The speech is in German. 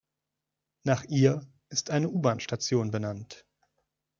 Nach ihr ist eine U-Bahn-Station benannt.